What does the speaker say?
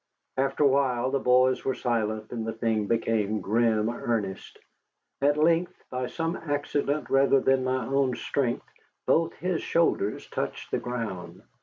After a while the boys were silent, and the thing became grim earnest. At length, by some accident rather than my own strength, both his shoulders touched the ground.